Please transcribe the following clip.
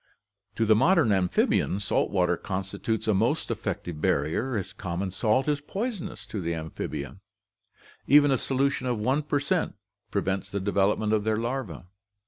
To the modern amphibia salt water constitutes a most effective barrier as " common salt is poison ous to the amphibia; even a solution of 1 per cent prevents the development of their larvae.